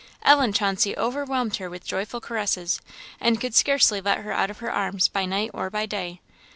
Ellen Chauncey overwhelmed her with joyful caresses, and could scarcely let her out of her arms by night or by day.